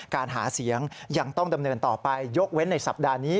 การหาเสียงยังต้องดำเนินต่อไปยกเว้นในสัปดาห์นี้